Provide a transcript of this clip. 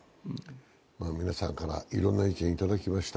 皆さんからいろんな意見をいただきました。